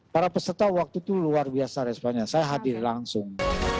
para peserta waktu itu luar biasa responnya saya hadir langsung